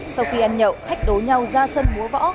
sau khi ăn nhậu thách đối nhau ra sân búa võ